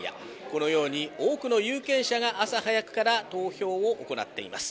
このように多くの有権者が朝早くから投票を行っています